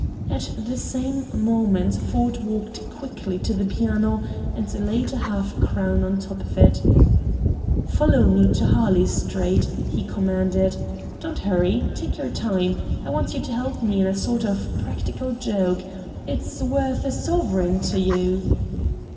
At the same moment Ford walked quickly to the piano and laid a half crown on top of it. "Follow me to Harley Street," he commanded. "Don't hurry. Take your time. I want you to help me in a sort of practical joke. It's worth a sovereign to you."